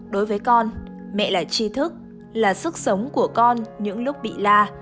đối với con mẹ là chi thức là sức sống của con những lúc bị la